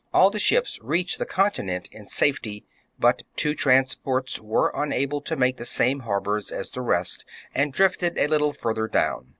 All the ships reached the continent in safety ; but two transports were unable to make the same harbours as the rest, and drifted a little further down.